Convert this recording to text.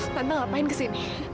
tante ngapain kesini